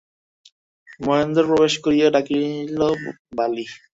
মহেন্দ্র প্রবেশ করিয়া ডাকিল, বালি।